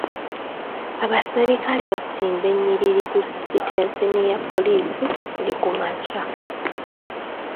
Abaserikale basimba ennyiriri ku sitenseni ya poliisi buli ku makya.